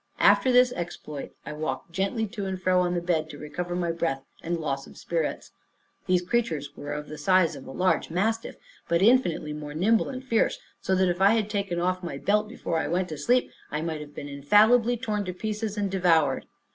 After this exploit, I walked gently to and fro on the bed, to recover my breath and loss of spirits. These creatures were of the size of a large mastiff, but infinitely more nimble and fierce; so that if I had taken off my belt before I went to sleep, I must have infallibly been torn to pieces and devoured.